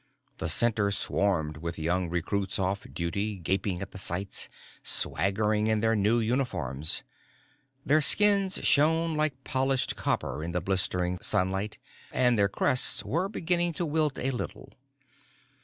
The Center swarmed with young recruits off duty, gaping at the sights, swaggering in their new uniforms. Their skins shone like polished copper in the blistering sunlight, and their crests were beginning to wilt a little.